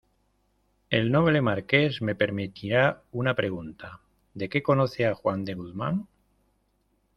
el noble Marqués me permitirá una pregunta: ¿ de qué conoce a Juan de Guzmán?